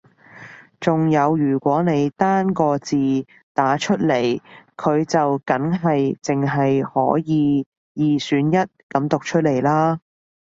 仲有如果你單個字打出嚟佢就梗係淨係可以二選一噉讀出嚟啦